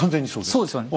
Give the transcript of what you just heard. そうですよね。